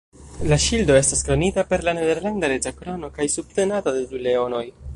La ŝildo estas kronita per la nederlanda reĝa krono kaj subtenata de du leonoj.